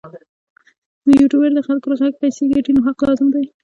یوټوبر د خلکو له غږ پیسې ګټي نو حق لازم دی.